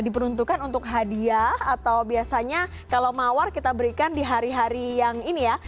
diperuntukkan untuk hadiah atau biasanya kalau mawar kita berikan di hari hari yang ini ya